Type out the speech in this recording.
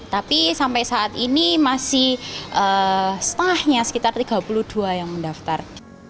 tapi sampai saat ini masih setengahnya sekitar tiga puluh dua yang mendaftar